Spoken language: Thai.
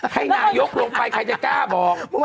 ให้นายกลงไปใครจะกล้าบอก